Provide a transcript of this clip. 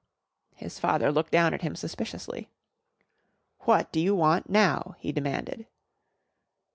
His father looked down at him suspiciously. "What do you want now?" he demanded.